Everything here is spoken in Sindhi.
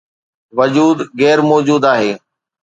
وجود غير موجود آهي